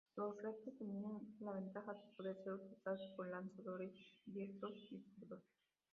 Los rectos tenían la ventaja de poder ser utilizados por lanzadores diestros y zurdos.